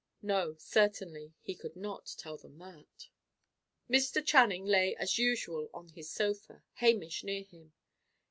No, certainly; he could not tell them that. Mr. Channing lay as usual on his sofa, Hamish near him.